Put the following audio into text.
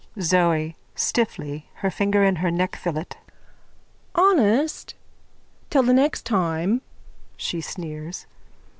ZOE: (Stiffly, her finger in her neckfillet.) Honest? Till the next time. _(She sneers.)